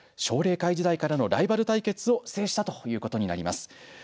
奨励会時代からのライバル対決を制したということになります。